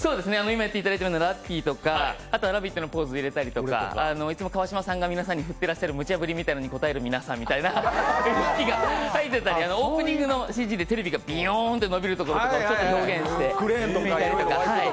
今やっていただいたようなラッピーだとかあとは「ラヴィット！」のポーズ入れたりとか、いつも川島さんが皆さんに振ってるむちゃぶりに応える皆さんみたいなのが入ってたりとか、オープニングのＣＧでテレビがびょーんと伸びるのをちょっと表現してみたりとか。